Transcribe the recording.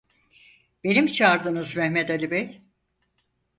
Beni mi çağırdınız Mehmet Ali bey?